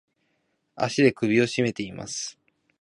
足で首をしめています。